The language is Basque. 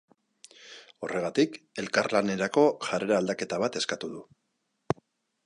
Horregatik, elkarlanerako jarrera aldaketa bat eskatu du.